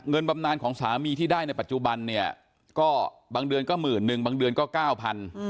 เงินบำนานของสามีที่ได้ในปัจจุบันบางเดือนก็หมื่นหนึ่งบางเดือนก็เก้าพัน